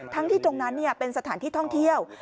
ที่ตรงนั้นเป็นสถานที่ท่องเที่ยว